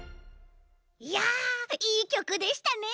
いやいいきょくでしたね。